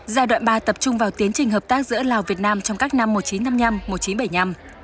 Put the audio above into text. giai đoạn ba tập trung vào tiến trình hợp tác giữa lào việt nam trong các năm một nghìn chín trăm năm mươi năm một nghìn chín trăm bảy mươi năm